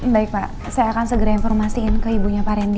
baik pak saya akan segera informasiin ke ibunya pak rendy